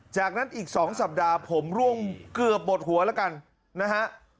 จากนั้นอีก๒สัปดาห์ผมร่วงเกือบหมดหัวแล้วกันนะฮะ